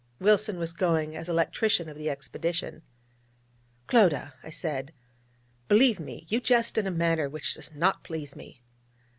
(Wilson was going as electrician of the expedition.) 'Clodagh.' I said, 'believe me, you jest in a manner which does not please me.'